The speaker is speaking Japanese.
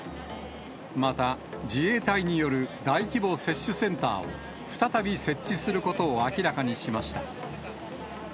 また、自衛隊による大規模接種センターを、再び設置することを明らかにしました。